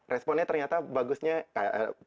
responnya ternyata bagusnya positif pada umumnya